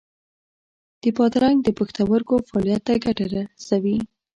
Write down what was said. د بادرنګ د پښتورګو فعالیت ته ګټه رسوي.